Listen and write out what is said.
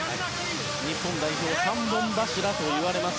日本代表３本柱と言われます